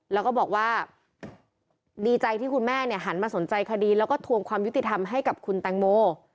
แล้วก็บอกว่าดีใจที่คุณแม่หันมาสนใจคดีแล้วก็ทวงความยุติธรรมให้กับคุณแตงโม